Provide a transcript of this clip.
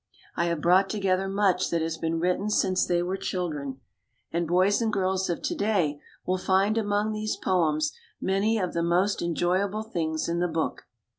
I have brought together much that has been written since they were children, and boys and girls of to day will find among these poems many of the most enjoyable things in the book.